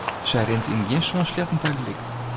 Sy rint yn gjin sân sleatten tagelyk.